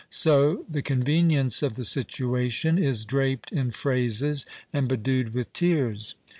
So the convenience of the situation is draped in phrases and bedewed with tears.